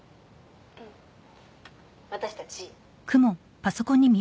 「うん」「私たち」